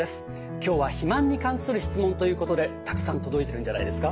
今日は肥満に関する質問ということでたくさん届いてるんじゃないんですか？